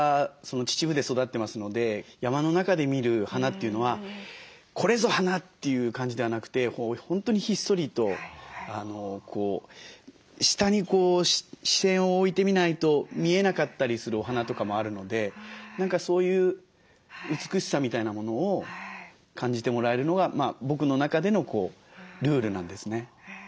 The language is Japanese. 秩父で育ってますので山の中で見る花というのはこれぞ花！という感じではなくて本当にひっそりと下に視線を置いてみないと見えなかったりするお花とかもあるので何かそういう美しさみたいなものを感じてもらえるのが僕の中でのルールなんですね。